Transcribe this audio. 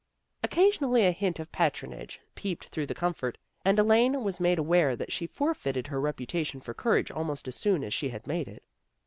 Occasionally a hint of A HALLOWE'EN PARTY 85 patronage peeped through the comfort, and Elaine was made aware that she had forfeited her reputation for courage almost as soon as she had made it.